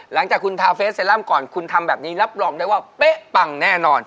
หลังจากคุณทาเฟสเซรั่มก่อนคุณทำแบบนี้รับรองได้ว่าเป๊ะปังแน่นอน